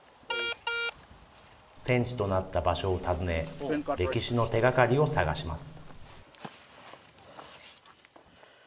戦地となった場所を訪ね、歴史の手がかりを探します。